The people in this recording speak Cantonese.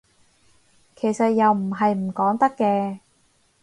其實又唔係唔講得嘅